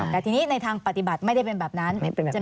แต่ทีนี้ในทางปฏิบัติไม่ได้เป็นแบบนั้น